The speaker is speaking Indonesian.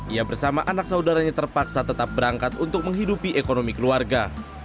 ia bersama anak saudaranya terpaksa tetap berangkat untuk menghidupi ekonomi keluarga